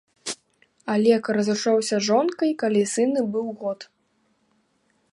Алег разышоўся з жонкай, калі сыну быў год.